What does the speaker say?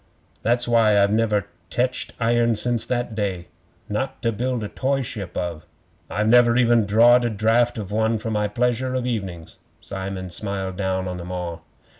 'That's why I've never teched iron since that day not to build a toy ship of. I've never even drawed a draft of one for my pleasure of evenings.' Simon smiled down on them all.